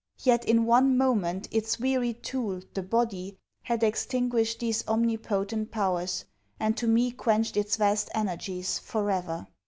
Yet, in one moment, its wearied tool, the body, had extinguished these omnipotent powers, and to me quenched its vast energies for ever.'